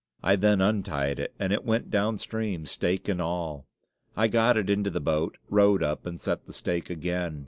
I then untied it, and it went downstream, stake and all. I got it into the boat, rowed up, and set the stake again.